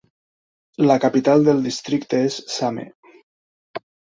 La capital del districte és Same.